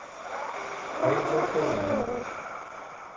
Que ets al casino?